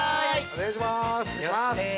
お願いします